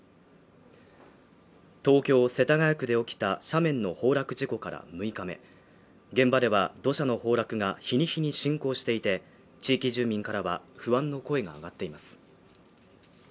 東京・世田谷区で起きた斜面の崩落事故から６日目現場では土砂の崩落が日に日に進行していて地域住民からは不安の声が上がっています